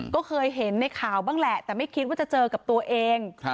ก็เคยเห็นในข่าวบ้างแหละแต่ไม่คิดว่าจะเจอกับตัวเอง